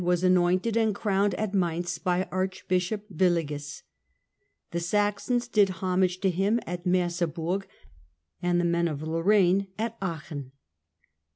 was anointed and crowned at Mainz by Archbishop Willigis ; the Saxons did homage to him at Merseburg, and the men of Lorraine at Aachen.